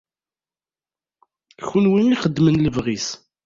Kunwi ixeddmen lebɣi-s.